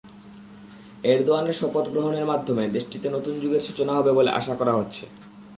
এরদোয়ানের শপথ গ্রহণের মাধ্যমে দেশটিতে নতুন যুগের সূচনা হবে বলে আশা করা হচ্ছে।